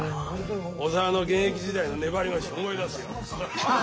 小沢の現役時代の粘り腰思い出すよ。